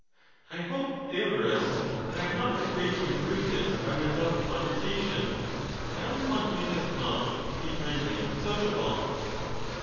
I hope, Theodorus, that I am not betrayed into rudeness by my love of con versation ? I only want to make us talk and be friendly and sociable.